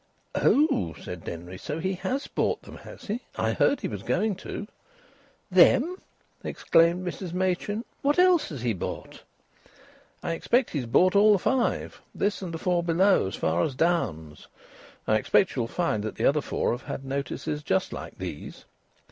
"Oh!" said Denry. "So he has bought them, has he? I heard he was going to." "Them?" exclaimed Mrs Machin. "What else has he bought?" "I expect he's bought all the five this and the four below, as far as Downes's. I expect you'll find that the other four have had notices just like these.